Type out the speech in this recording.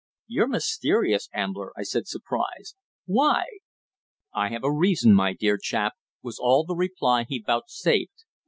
"You're mysterious, Ambler," I said, surprised. "Why?" "I have a reason, my dear chap," was all the reply he vouchsafed.